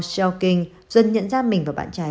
xiaoqing dần nhận ra mình và bạn trai